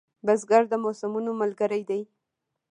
بزګر د موسمونو ملګری دی